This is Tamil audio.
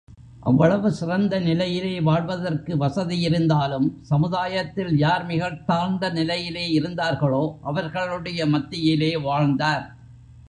அவ்வளவு சிறந்த நிலையிலே வாழ்வதற்கு வசதியிருந்தாலும் சமுதாயத்தில் யார் மிகத் தாழ்ந்த நிலையிலே இருந்தார்களோ அவர்களுடைய மத்தியிலே வாழ்ந்தார்.